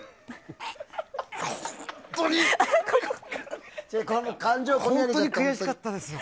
本当に本当に悔しかったですよ。